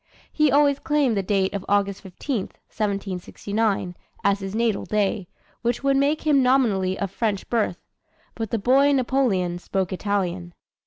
He always claimed the date of August 15, 1769, as his natal day, which would make him nominally of French birth. But the boy Napoleon spoke Italian.